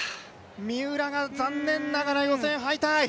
三浦が残念ながら予選敗退。